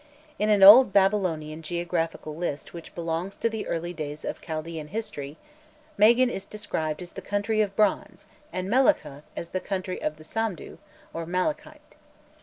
In an old Babylonian geographical list which belongs to the early days of Chaldsean history, Magan is described as "the country of bronze," and Melukhkha as "the country of the samdu," or "malachite."